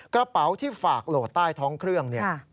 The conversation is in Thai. กระเป๋าที่ฝากโหลดใต้ท้องเครื่องเนี่ย